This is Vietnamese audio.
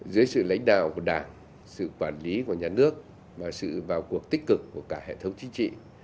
dưới sự lãnh đạo của đảng sự quản lý của nhà nước và sự vào cuộc tích cực của cả hệ thống chính trị